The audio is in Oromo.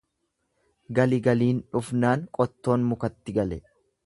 Gali galiin dhufnaan qottoon mukatti gele.